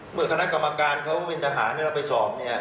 เมื่อคณะกรรมการเขาเป็นทหารเราไปสอบเนี่ย